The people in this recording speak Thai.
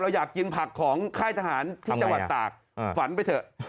อยากกินผักของค่ายทหารที่จังหวัดตากฝันไปเถอะ